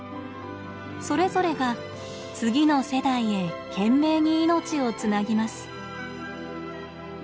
それぞれが次の世代へ懸命に命をつなぎます。